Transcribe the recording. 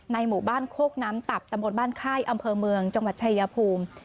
หมู่บ้านโคกน้ำตับตำบลบ้านค่ายอำเภอเมืองจังหวัดชายภูมิ